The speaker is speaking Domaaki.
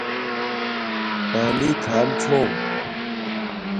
پانی تھام چھوم